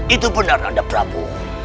itu benar anda prabu